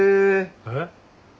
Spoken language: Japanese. えっ？